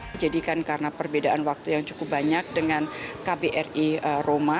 dijadikan karena perbedaan waktu yang cukup banyak dengan kbri roma